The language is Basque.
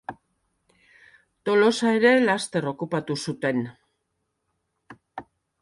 Tolosa ere laster okupatu zuten.